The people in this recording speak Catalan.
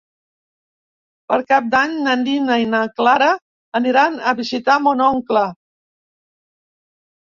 Per Cap d'Any na Nina i na Clara aniran a visitar mon oncle.